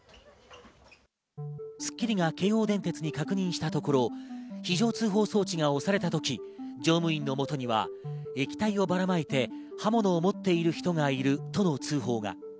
『スッキリ』が京王電鉄に確認したところ非常通報装置が押されたとき、乗務員のもとには液体をばらまいて刃物を持っている人がいるとの通報が。